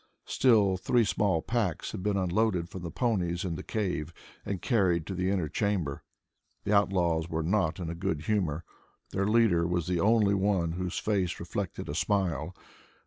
Still, three small packs had been unloaded from the ponies in the cave and carried to the inner chamber. The outlaws were not in good humor. Their leader was the only one whose face reflected a smile.